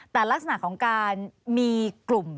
แต่ลักษณะของการมีกลุ่ม